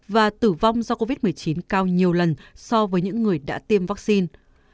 và tử vong do covid một mươi chín cao nhiều lần so với những người đã tiêm vaccine